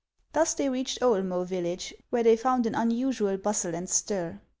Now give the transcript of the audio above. Thus they reached Oelmce village, where they found an unusual bustle and stir.